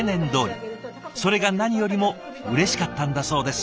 それが何よりもうれしかったんだそうです。